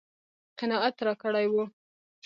قناعت راکړی و.